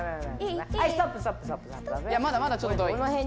いやまだまだちょっと。